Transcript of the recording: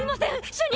主任！